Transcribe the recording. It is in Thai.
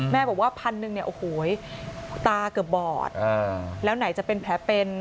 แม่บอกว่าพันหนึ่งเนี่ยโอ้โหตาเกือบบอดแล้วไหนจะเป็นแผลเป็น